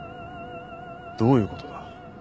どういうことだ？